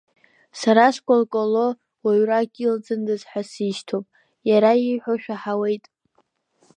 Сара скәалкәало уаҩрак илҵындаз ҳәа сишьҭоуп, иара ииҳәо шәаҳауеит!